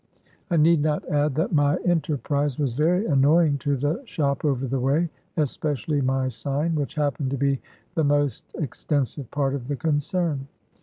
I need not add that my enterprise was very annoying to the ' shop over the way ;' espe cially my sign, which happened to be the most exten sive part of the concern.